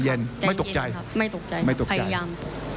พยายาม